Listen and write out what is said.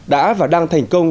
đã và đang thành công